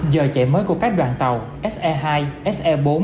giờ chạy mới của các đoàn tàu se hai se bốn se năm